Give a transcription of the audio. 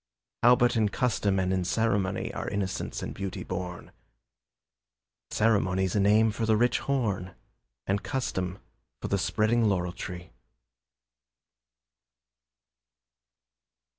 How but in custom and in ceremony Are innocence and beauty born? Ceremony's a name for the rich horn, And custom for the spreading laurel tree.